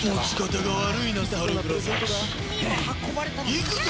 いくぞ！